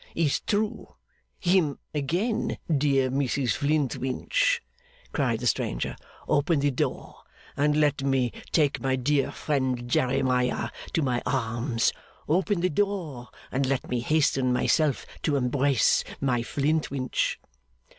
'It's true! Him again, dear Mrs Flintwinch,' cried the stranger. 'Open the door, and let me take my dear friend Jeremiah to my arms! Open the door, and let me hasten myself to embrace my Flintwinch!